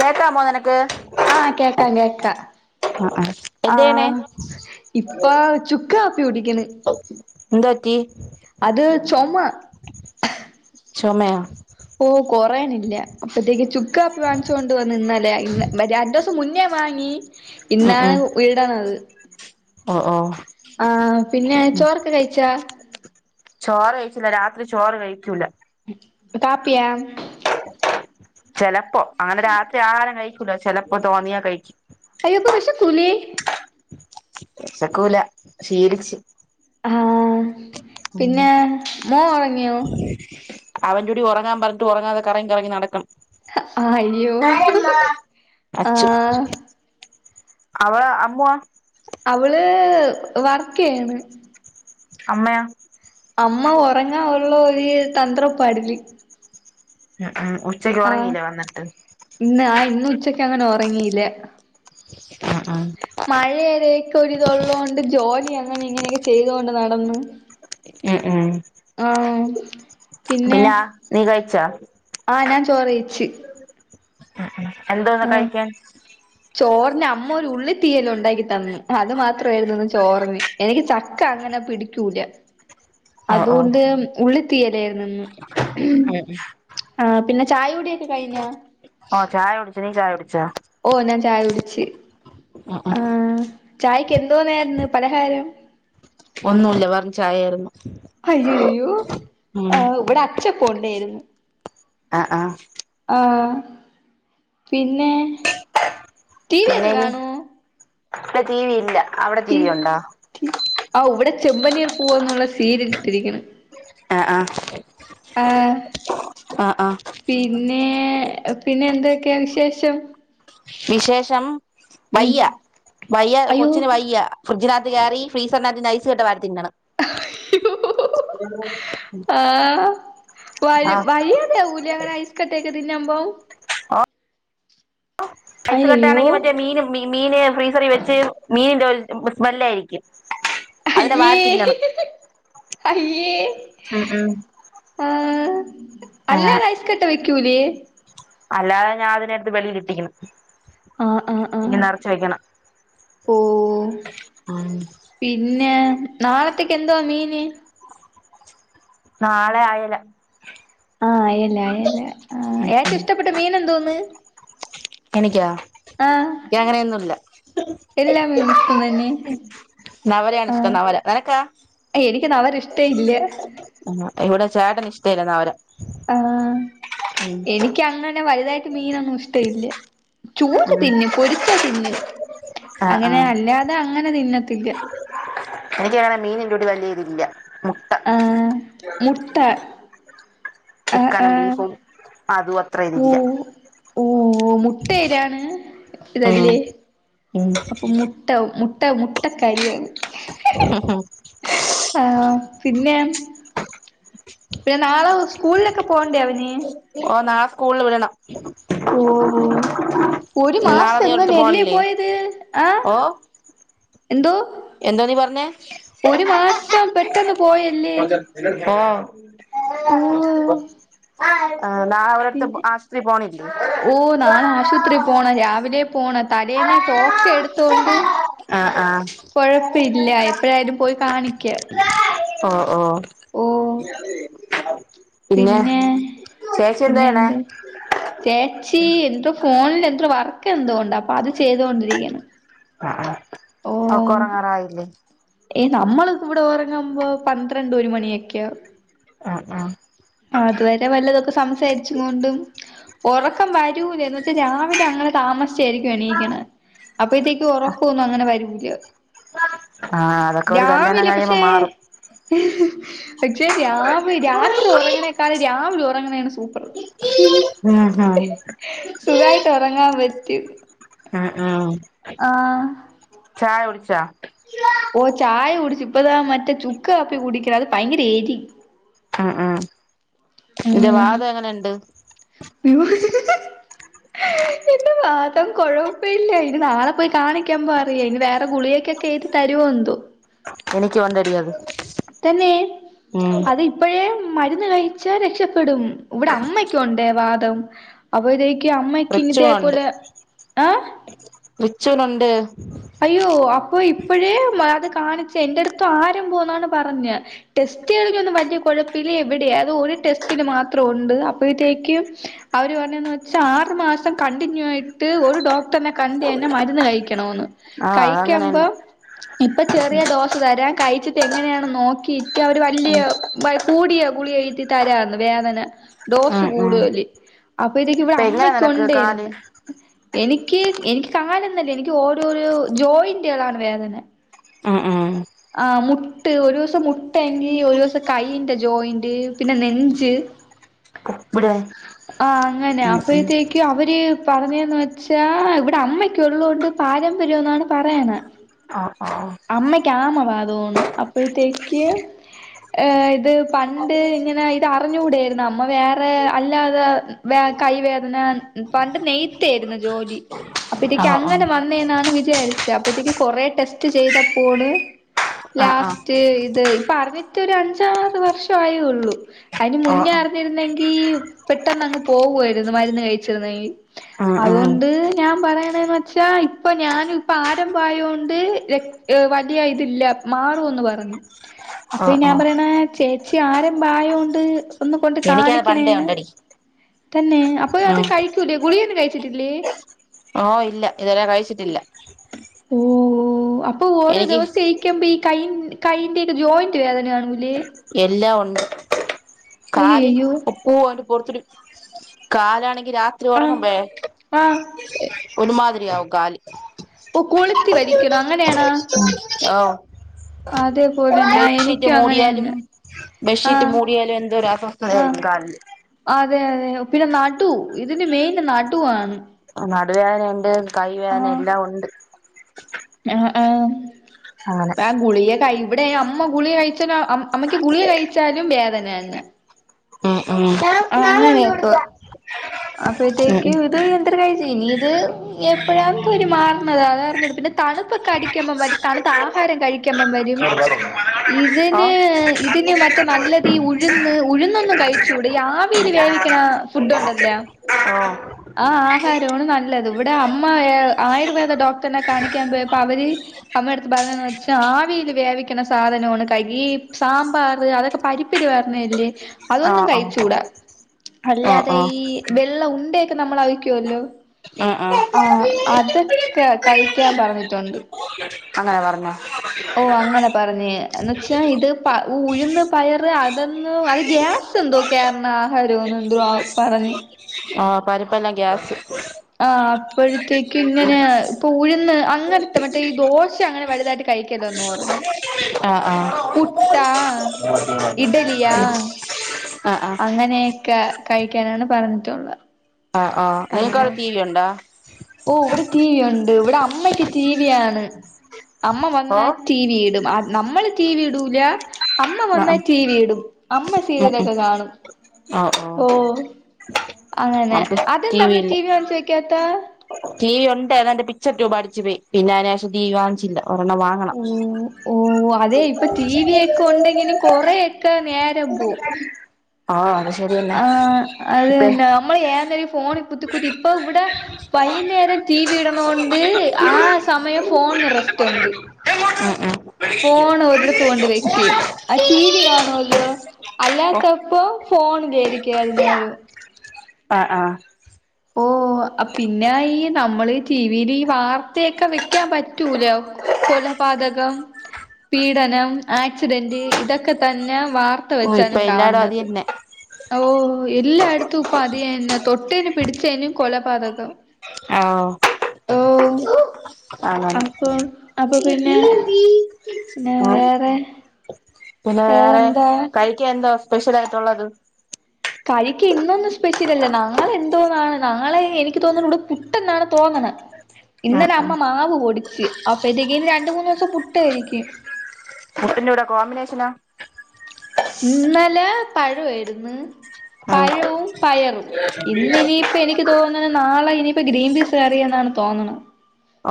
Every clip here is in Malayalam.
കേക്കാമോ നി ആഹ് കേക്കാ കേക്ക ആഹ് ആഹ് ആഹ് ഇപ്പ ചുക്കാപ്പി കുടിക്കണ് എന്തുപറ്റി അത് ചൊമ ചോമയ ഓഹ് കൊറയാനില്ല അപ്പഴത്തേക്ക് ചു ചുക്കാപ്പി വാങ്ങിച്ചു കൊണ്ട് വന്ന് ഇന്നലെഇ രണ്ടുവസം മുന്നേ വാങ്ങി ഇന്നാണ് വീടാണത് ഓഹ് ഓഹ് ആഹ് പിന്നെ ചോറൊക്കെ കഴിച്ചാ? ചോറ് കഴിച്ചില്ല രാത്രി ചോറ് കഴിക്കൂല. കാപ്പിയ ചെലപ്പോ അങ്ങനെ രാത്രി ആഹാരം കഴിക്കൂല ചെലപ്പോ തോന്നിയാ കഴിക്കു അയ്യോ അപ്പ വിഷകൂലെ? വിഷക്കൂല ശീലിച്ച് ആഹ ഉം പിന്നെ മോന് ഒറങ്ങിയോ? അവനോട് ഒറങ്ങാൻ പറഞ്ഞി്ട്ട് ഒറങ്ങാതെ കങ്ങി കറങ്ങി നടക്ക അയ്യോ ആഹ അവള അമ്മു അവള് വർക്ക് ചെയ്യുന്ന്. അമ്മയോ? അമ്മ ഒറങ്ങനുള്ള ഒരു തന്ത്ര പാട്ല് ഉ ഉ ഉച്ചക്ക് ആഹ് ഒറങ്ങീല്ലേ വന്നിട്ട്? ഇന്ന് ആ ഇന്ന്ഉച്ചക്ക്അങ്ങനെ ഒറങ്ങില്ല. ആഹ ആഹ മഴയരൊക്കെ ഒരിതള്ളതുക കൊണ്ട് ജോലി അങ്ങനെ ഇങ്ങനെയൊക്കെ ചെയ്തൊണ്ട് നടന്നു. ഉം ഉം. ആഹ. പിന്നെ നീ കഴിച്ചാ? ആഹ് ഞാൻ ചോറ് കഴിച്ചു. എന്താന്ന് കഴിക്കാൻ? ചോറിന് അമ്മ ഒരു ഉള്ളി തീയല്ല ഉണ്ടാക്കി തന്നു അത് മാത്രമായിരുന്നുന്ന് ചോറിന്. എനിക്ക് ചക്ക അങ്ങനെ പിടിക്കൂല അതുകൊണ്ട് ഉള്ളി തീയലായിരുന്നുന്ന്. ഉഹ. ആ പിന്നെ ചായ കൂടിയൊക്കെ കഴിഞ്ഞ? ഓ ചായ ഒടിച്ച നീ ചായ കുടിച്ചോ? ഓ ഞാൻ ചായ കുടിച്ചു. ആ ആ. ചായ്ക്ക് എന്തോന്നായിരുന്നു പലഹാരം. ഒന്നുവില്ല വെറും ചായായിരുന്നു. അയ്യോ അയ്യോ ആ ഇവിടെ അച്ചപ്പം ഉ ണ്ടായിരുന്നു. ആഹ ആഹ. ആ പിന്നെ. ടി വി ഒക്കെ പിന്നെനി കാണുവോ ഇവിടെ ടിവി ഇല്ല അവിടെ ടി വി ഉണ്ടോ? ആ ഇവിടെ ചെമ്പനീർ പൂവാന്നുള്ള സീരിയൽ ഇട്ടിരിക്കണ. ആഹ ആഹ ആഹ് ആഹ ആഹ. പിന്നെ പിന്നെ എന്തൊക്കെയാ വിശേഷം. വിശേഷം ഉം വയ്യ വയ്യ അയ്യോ കൊച്ചിന് വയ്യ ഫ്രി്ജിനകത്ത് കയറി ഫീസറിനകത്ത് ഐസ് സ് കട്ട വരത്തിണ്ടാണ്. അയ്യോ. ആഹ വഴ ആ വയ്യാതെ ആകുലേ അങ്ങനെ ക്കട്ടേക്കതിന്നെ അമ്പോ ഓ ഐസ് കട്ട അയ്യയ്യോ ആണെങ്കിൽ മറ്റേ മീനും മീന് ഫ്രീസറിൽ വെച്ച് മീനിന്റെ സ്മെല്ലായിരിക്കും അതിനെ വാരി അയ്യേ തിന്നണ് അയ്യേ ഉം ഉം ആഹ അങ്ങനെ അല്ലത ഐസ് കട്ട വെക്കൂലെ അല്ലാതെ ഞാ അതിന അടുത്ത് വെിൽിട്ടിക്കണം. ആഹ് ആഹ് ഇ ആഹ് നിറച്ച വെക്കണം ഓ ഉ. പിന്നെ നാളത്തേക്ക് എന്തുവാ മീന്. നാളെ അയല. ആഹ അയലഅയല ആ ഉം ഉം ഏറ്റവും ഇഷ്ടപ്പെട്ട മീന എന്തോന്ന്.? എനിക്കാ ആഹ് എനിക്കങ്ങനെയൊന്നുമല്ല എല്ലാ മീനും ഇഷ്ടം തന്നെ നവരയാണ് ഇഷ്ടം ആഹ് നവര നിനക്കാ എനിക്ക് അവരെ ഇഷ്ട ഇല്ല ആഹ് ഇവിടെ ചേട്ടന് ഇഷ്ടായിരുന്നു അവര് ആഹ് എനിക്ക് അങ്ങന്നെ വലുതായിട്ട് മീനാന്ന് വി ചൂര തിന്നു പൊരിച്ചാ തിന്നു ആഹ് അങ്ങനെ ആഹ് അല്ലാ അത അങ്ങനെ തിന്നത്തില്ല എനിക്ക് എങ്ങനെ മീനിൻ്റോടി വലിയ ഇതില്ല ആഹ് മുട്ട ആഹ് ചിക്കനും ആഹ് ബീഫും അതും അത്ര ഇതില്ല ഓഹ് ഓഹ് മുട്ടേരാണ് ഉം ഇതല്ലേ അപ്പൊ മുട്ട മുട്ട മുട്ട കരിയാണ് [inaudible] ആഹ് പിന്നെ പിന്നെ നാളെ സ്കൂളിലൊക്കെ പോകണ്ടേ അവന് ഓഹ് നാളെ സ്കൂളിൽ വിടണം ഓഹ് ഓഹ് ഒരു നാളെ മാസം നീ എങ്ങന ഒരിടത്ത് എല്ലേ പോണില്ലേ പോയത് ആഹ് എന്തോ എന്താ നീ പറഞ്ഞേ ഒരു മാസം പെട്ടെന്ന് പോയല്ലേ ആഹ് ഓ ആഹ് നാളെ അവടെ അടുത്ത് പിന്നെ ആസ്പത്രി പോണില്ലേ ആശുത്രി പോണ രാവിലെ പോണ തലേന്ന ടോക്കൺ എടുത്തോണ്ട് ആഹ് ആഹ് കൊഴപ്പല്ല എപ്പോഴായാലും പോയി കാണിക്കുക ഓഹ് ഓഹ് പിന്നെ ചേച്ചി എന്താ പിന്നെ ചെയ്യണേ എന്ത് ചേച്ചി എന്തോ ഫോണില് എന്തോ വർക്ക് എന്തോണ്ട് അപ്പൊ അത് ചെയ്തുകൊണ്ടിരിക്കാണ് ആഹ് അവൾക്കൊറങ്ങാനായില്ലേ ഏഹ് നമ്മൾ ഇവിടെ ഉറങ്ങുമ്പോ പന്ത്രണ്ട് ഒരു മണിയൊക്കെയാവും ആഹ് ആഹ് ആഹ് അതുവരെ വല്ലതൊക്കെ സംസാരിച്ചു കൊണ്ടും ഉറക്കം വരൂലേന്ന് വെച്ചാൽ രാവിലെ അങ്ങനെ താമസിച്ചായിരിക്കും എണീക്കുന്നത് അപ്പത്തേക്ക് ഉറക്കൊന്നും അങ്ങനെ വരൂല്ല ആഹ് അതൊക്കെ ഒരു കല്യാണം കഴിഞ്ഞ പക്ഷേ മാറും പക്ഷെ രാവെ രാത് രാത്രി ഉറങ്ങ്നെക്കാളും രാവിലെ ഉറങ്ങനാണ് സൂപ്പർ ഉം [unintelligible] സുഖായിട്ട് ഒറങ്ങാൻ പറ്റും ഉം ഉം ആഹ് ചായ കുടിച്ചാ? ഓഹ് ചായ കുടിച്ചു ഇപ്പതാ മറ്റേ ചുക്ക് കാപ്പി കുടിക്കെ അത് ഭയങ്കര എരി ഉം ഉം ഇന്റെ വാദം എങ്ങനെണ്ട്? ഇ [inaudible] എന്റെ വാദം കുഴപ്പ ഇല്ല ഇന് നാളെ പോയി കാണിക്കുമ്പോ അറിയ ഇന് വേറെ ഗുളികയൊക്കെ എഴുതി തരുവോ എന്തോ എനിക്ക് വന്നടിയത് തന്നെ അത് ഇപ്പോഴേ മരുന്ന് കഴിച്ചാൽ രക്ഷപ്പെടും ഇവിടെ അമ്മയ്ക്ക ഉണ്ടേ വാതം അപ്പൊ അമ്മക്ക് ഇതേ റിച്ചുനുണ്ട് പോലെ ആഹ് [unintelligible] അയ്യോ അപ്പൊ ഇപ്പോഴേ അത് കാണിച്ചു എന്റടുത്തു ആരോ പോന്നാണ് പറഞ്ഞത് ടെസ്റ്റ് ആണെങ്കിൽ ഒന്നും വലിയ കുഴപ്പില്ല എവിടെയാ അത് ഒരു ടെസ്റ്റിന് മാത്രം ഉണ്ട് അപ്പഴത്തേക്ക് അവർ പറഞ്ഞതെന്ന് വെച്ചാൽ ആറ് മാസം കണ്ടിന്യൂ ആയിട്ട് ഒരു ഡോക്ടറിനെ കണ്ടു തന്നെ മരുന്ന് കഴിക്കണമന്ന് ആ കഴിക്കുമ്പോ അതങ്ങനെന്നെ ഇപ്പൊ ചെറിയ ഡോസ് തരാ കഴിച്ചിട്ട് എങ്ങനെയാണ് നോക്കി അവര് വലിയ കൂടിയ ഗുളിക തരാന്ന് വേദന ഡോസ് ഉം ഉം കൂടുല് അപ്പൊതെക്ക് ഇവിടെ ഇപ്പ എങ്ങനെ നിനക്ക് കാല് അമ്മയ്കൊണ്ടെർന്ന് എനിക്ക് എനിക്ക് കാലെന്നല്ല എനിക്ക് ഓരോരോ ജോയിന്റകളാണ് വേദന ആഹ ആഹ ആഹ മുട്ട് ഒരു ദിവസം മുട്ടങ്കിൽ ഒരു ദിവസം കൈന്റെ ജോയിന്റ് പിന്നെ നെഞ്ച് ഇവിടെ ആഹ അങ്ങനെ ഉം ഉം അപ്പഴത്തേക്ക് അവര് പറഞ്ഞതെന്ന് വെച്ചാ ഇവിടെ അമ്മക്ക ഉള്ളത്കൊണ്ട് പാരമ്പര്യംന്നാണ് പറയണെ ആഹ ആഹ അമ്മയ്ക്ക് ആമ്മ വാതാണ് അപ്പഴത്തേക്ക് ഏഹ ഇത് പണ്ട് ഇങ്ങനെ ഇത് അറിഞ്ഞ കൂടായിരുന്നു അമ്മ വേറെ അല്ലാതെ വ കൈവേദന പണ്ട് നെയ്തേര്ന്നു ജോലി ആ അപ്പതേക്ക് ഓ അങ്ങനെ വന്നേ എന്നാണ് വിചാരിച്ചത് അപ്പതേക്ക് കൊറെ ടെസ്റ്റ് ചെയ്തപ്പോള് ആ ആ ലാസ്റ്റ് ഇത് ഇപ്പ അറിഞ്ഞിട്ട് ഒരു അഞ്ചാറ് വർഷേ ആയുള്ളൂ അതിന് ഓ മുന്നേ ഓ അറിൻ ഇരുന്നെങ്കി പെട്ടെന്ന് അങ്ങ് പോകുമായിരുന്നു മരുന്ന് കഴിച്ചിരുന്നെങ്കിൽ ഉം ഉം അതുകൊണ്ട് ഞാൻ പറയ്ണത് വെച്ചാൽ ഇപ്പൊ ഞാന് ഇപ്പം ആരംഭായോണ്ട് ര ഏഹ വടിയായിട്ടില്ല മാറൂന്ന് പറഞ്ഞു ഓ അപ്പൊ ഓ ഞാൻ പറയണെ ചേച്ചി ആരംഭായോണ്ട് ഒന്ന് കൊണ്ട് എനിക്കത് പണ്ടേ കാണിക്കണേന്നു ഉണ്ടടി തന്നെ അപ്പൊ അത് ഉം കഴിക്കൂലേ ഗുളിയൊന്നു കഴിച്ചിട്ടില്ലേ ഓഹ ഇല്ല ഇതുവരെ കഴിച്ചിട്ടില്ല ഓഹ ഓഹ അപ്പൊ ഓരോ എനിക്ക് ദിവസ [unintelligible] ഈ കൈ കൈയിന്റെക്കെ ജോയിന്റ് വേദനാവൂലെ എല്ലാം ഉണ്ട് കാല് അയ്യയ്യോ ഉപൂ അതു പോലതൊരു കാലാണെങ്കി രാത്രി ആഹ് ഉറങ്ങുമ്പേയെ ആഹ് ഒരുമാതിരിയാവും കാല് ഓഹ കൊളുത്തി വലിക്കണൊ അങ്ങനെയാണ് ഓ അതെ ബെഡ്ഷീറ്റ് മൂടിയാലും ബെഡ്ഷീറ്റ് ആഹ് മൂടിയാലും എന്തോ ഒരു ആഹ് അസ്വസ്ഥതയായിരിക്കും കാലിന് അതെ അതെ പിന്നെ നടു ഇതിന്റെ മെയിൻ നടുവാണ് നടുവേദന ഉണ്ട് കൈ വേദനെ എല്ലാം ഉണ്ട് ആഹ ആഹ അങ്ങനെ അഹ ഗുളിക കഴി ഇവിടെ അമ്മ ഗുളിക കഴിച്ചല് അമ്മയ്ക്ക് ഗുളിക കഴിച്ചാലും വേദനെന്നെ ഉം ഉം ആഹ ഉം അങ്ങനെക്ക് [inaudible] അപ്പോഴത്തേക്കും ഇത് എന്തൊരുകഴ്ച് ഇനീ ഇത് എപ്പോഴാഇരു മാറണത അതറിഞ്ഞട് പിന്നെ തണുപ്പൊക്കെ അടിക്കുമ്പോ തണുത്ത ആഹാരം കഴ കുമ്പോ വരും ഓ ഇതിന് ഇതിന് മറ്റേ നല്ലതീ ഉഴുന്ന് ഉഴുന്നൊന്നും കഴിച്ചൂടെ ഈ ആവി ആവില് വേവിക്കണ ഫുഡ് ഉണ്ടല്ലേ ആഹ ആഹ് ആഹാരമാണ് നല്ലത് ഇവിടെ അമ്മ ആയുർവേദ ഡോക്ടറിനെ കാണിക്കാൻ പോയപ്പോ അവര് അമ്മ അടുത്ത് പറഞ്ഞെന്ന് വെച്ചാ ആവില് വേവിക്കണ സാധനാണ് കൈ സാമ്പാർ അതൊക്കെ പരിപ്പ് പ്പ് പറഞ്ഞല്ലേ അതൊന്നും ഓ കഴിച്ചൂടാ ഓ അല്ലാതെ ഓ ഈ വെള്ള ഉണ്ടയൊക്കെ നമ്മള് അവിക്കുവല്ലോ ഓ ആഹ അതൊക്കെ കഴിക്കാൻ ഓ പറഞ്ഞിട്ടുണ്ട് അങ്ങനെ പറഞ്ഞോ ഓ അങ്ങനെ പറഞ്ഞ് എന്ന് വച്ചാ ഇത് ഉഴന്ന് പയറ് അതെന്ന് അത് ഗ്യാസ് ഇത് എന്തോ കേറണ ആഹാരോന്ന് ദ്രേ എന്തോ പറഞ്ഞ് ആഹ പരിപ്പ ല്ല ഗ്യാസ് ആഹ അപ്പോഴത്തേക്കും ഇങ്ങനെ ഇപ്പം ഉഴുന്ന് അങ്ങനെ മറ്റേ ഈ ദോശ അങ്ങനെ വലുതായിട്ട് കഴിക്കരുത്തെന്ന് പറഞ്ഞു ആഹ ആഹ പുട്ടാ ഇഡിലിയാ ആഹ് ആഹ് അങ്ങനെയൊക്കെ കഴിക്കാനാണ് പറഞ്ഞിട്ടുള്ള ആഹ ആഹ നിങ്ങക്കവിടെ ടി വി ഉണ്ടോ ഓ ഇവിടെ ടിവി ഉണ്ട് ഇവിടെ അമ്മയ്ക്ക് ടിവിയാണ് അമ്മ വന്ന ആഹ് ടി വി ഇടും നമ്മള് ടി വി ഇടൂല്ല അമ്മ വന്നാൽ ടി വി ഇടും അമ്മ ഉം ഉം സീരിയലൊക്കെ കാണും ആഹ് ഓഹ് ഓ അങ്ങനെ നമുക്ക് ടി അതെന്താ വി അവിടെ ഇല്ല ടിവി വാങ്ങിച്ച് വെക്കാത്തെ ടി വി ഉണ്ടേ എതാണ്ട് പിക്ചർ റ്റൂപ് അടിച്ചു പോയി പിന്നെ അതിനു ശേഷം ടിവി വാങ്ങിച്ചില്ല ഒരെണ്ണം വാ ആഹ ഓ കൊണ്ടെങ്കിലും കൊറെയൊക്കെ നേരം പോവും ആഹ അത് ശരിയെന്നെ ആഹ് അത് ഇപ്പേ തന്നെ നമ്മള് ഏതൊരു ഫോണിൽ കുത്തി കുത്തി ഇപ്പം ഇവിടെ വൈകുന്നേരം ടീവീ ഇടണകൊണ്ട് ആ സമയം ഫോണിന് റസ്റ്റ്ഉണ്ട് ഉം ഉം ഫോൺ ഒരിടത്ത് കൊണ്ട് വെക്കും ആ ടി വി കാണുമല്ലോ ഓഹ് അല്ലാത്തപ്പോ ഫോണിലായിരിക്കും ഏതു ന്നേരവും ആഹ ആഹ ഓ ഓ ആപ്പ് പിന്നെ ഈ നമ്മള് ടിവിൽ ഈ വാർത്തയൊക്കെ വെക്കാൻ പറ്റൂലാ കൊലപാതകം പീഡനം ആക്സിഡന്റ് ഇതൊക്കെ തന്നെ വാർത്ത ഓഹ് ഇപ്പൊ വെച്ചാലും എല്ലായിടും അത് കാണത് തന്നെ ഓ എല്ലായിടത്തുംപ്പ അതിന തൊട്ടേനും പിടിച്ചേനും കൊല പാതകം ആഹാ [inaudible] [unintelligible] ആളാണ് അപ്പൊ അപ്പൊ പിന്നെ ബീ ബീ പിന്നെ ആ വേറെ പിന്നെ വേറെ വേറെന്താ കഴിക്കാൻ എന്താ സ്പെഷ്യൽ ആയിട്ടുള്ളത് കഴക്ക് ഇന്നൊന്നും സ്പെഷ്യലല്ല നാളെ എന്തോന്നാണ് നാളെ എനിക്ക് തോന്നുന്നത് പുട്ടന്നാണ് തോനണെ ഉം ഇന്നലെ ഉം അമ്മ മാവ് പൊടിച്ച് അപ്പൊതേക്ക് രണ്ട് മൂന്ന് ദിവസം പുട്ടായിരിക്കും പുട്ടിന്റെ കുടെ കോമ്പിനേഷനാ ഇന്നല പഴവായിരുന്നു ഉം പഴവും പയറും ഇന്നിനി ഇപ്പൊ എനിക്ക് തോന്നുന്നത് നാളെ ഇനിയിപ്പോ ഗ്രീൻബീസ് കയറിയ എന്നാണ് തോന്നുന്നത്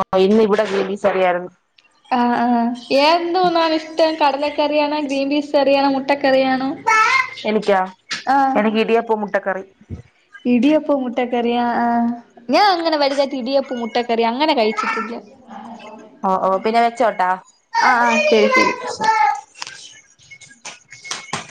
ആഹ ഇന്ന് ഇവിടെ കൃൻബീസ് കറി യായിരുന്നു ആഹ് ആഹ് എന്തോന്നാണ് ഇഷ്ടം കടലക്കറിയണോ ഗ്രീൻ പീസ് കറിയാണോ മുട്ടക്കറിയാണോ [inaudible] എനിക്കാ ആഹ് എനിക്ക് ഇടിയപ്പം മുട്ടക്കറി ഇടിയപ്പം മുട്ടകറി ആഹ് ആഹാ ഞാൻ അങ്ങനെ വരുനെ ഇടിയപ്പൂ മുട്ടക്കറി അങ്ങനെ കഴിച്ചിട്ടില്ല ഓ ഓ പിന്നെ വെച്ചോട്ട ആഹ ആഹ ശരി ശരി